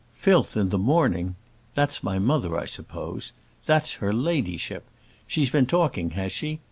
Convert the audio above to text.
"Filth in the morning! That's my mother, I suppose! That's her ladyship! She's been talking, has she?